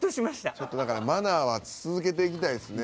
ちょっとだからマナーは続けていきたいですね。